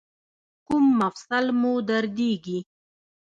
کوم مفصل مو دردیږي؟